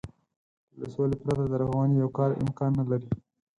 له سولې پرته د رغونې يو کار امکان نه لري.